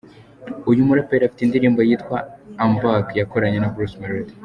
Uyu muraperi afite indirimbo yitwa “I am Back” yakoranye na Bruce Melodie.